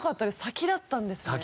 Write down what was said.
先だったんですね。